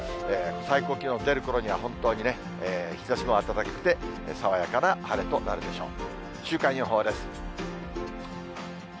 最高気温出るころには、本当に日ざしも暖かくて、爽やかな晴れとなるでしょう。